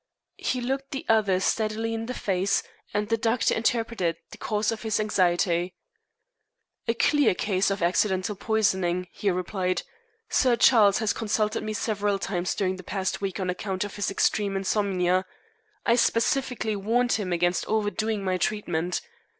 He looked the other steadily in the face and the doctor interpreted the cause of his anxiety. "A clear case of accidental poisoning," he replied. "Sir Charles has consulted me several times during the past week on account of his extreme insomnia. I specifically warned him against overdoing my treatment.